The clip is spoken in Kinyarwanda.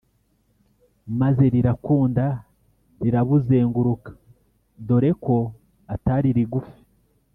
maze rirakunda rirabuzenguruka dore ko atari rigufi.